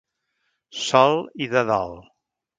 Sol i de dol.